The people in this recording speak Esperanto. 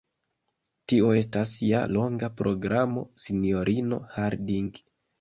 Tio estas ja longa programo, sinjorino Harding.